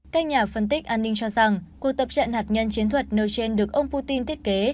các nhà phân tích an ninh cho rằng cuộc tập trận hạt nhân chiến thuật nêu trên được ông putin thiết kế